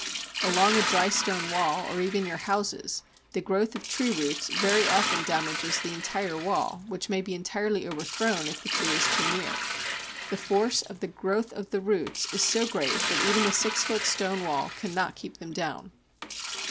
Along a dry stone wall, or even near houses, the growth of tree roots very often damages the entire wall, which may be entirely overthrown if the tree is too near. The force of the growth of the roots is so great that even a six foot stone wall cannot keep them down.